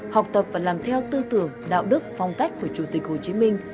học tập và làm theo tư tưởng đạo đức phong cách của chủ tịch hồ chí minh